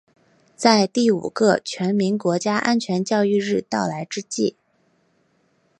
在第五个全民国家安全教育日到来之际